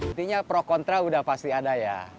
intinya pro kontra udah pasti ada ya